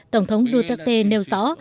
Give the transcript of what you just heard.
tổng thống duterte nêu rõ